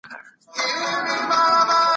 دايره ګيردی شکل دئ.